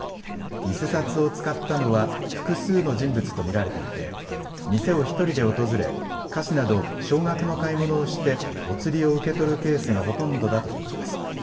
偽札を使ったのは複数の人物と見られていて店を１人で訪れ菓子など少額の買い物をしてお釣りを受け取るケースがほとんどだということです。